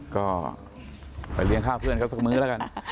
ก็ไปเลี้ยงข้าวเพื่อนเขาสักมื้อแล้วกัน